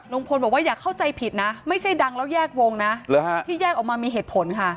บอกว่าอย่าเข้าใจผิดนะไม่ใช่ดังแล้วแยกวงนะที่แยกออกมามีเหตุผลค่ะ